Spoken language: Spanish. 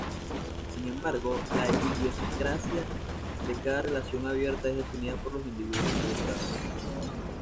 Sin embargo, la idiosincrasia de cada relación abierta es definida por los individuos involucrados.